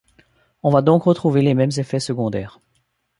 On va donc retrouver les mêmes effets secondaires.